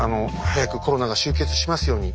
早くコロナが終結しますように。